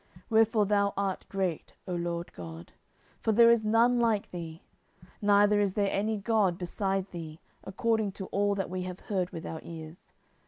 10:007:022 Wherefore thou art great, O LORD God: for there is none like thee, neither is there any God beside thee, according to all that we have heard with our ears.